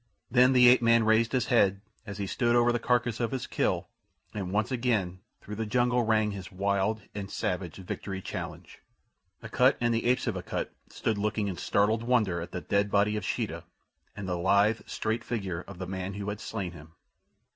Then the ape man raised his head, as he stood over the carcass of his kill, and once again through the jungle rang his wild and savage victory challenge. Akut and the apes of Akut stood looking in startled wonder at the dead body of Sheeta and the lithe, straight figure of the man who had slain him.